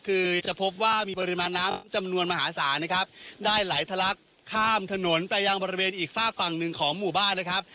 คือจะพบว่ามีปริมาณน้ำจำนวนมหาศาลนะครับได้ไหลทะลักข้ามถนนไปยังบริเวณอีกฝากฝั่งหนึ่งของหมู่บ้านนะครับ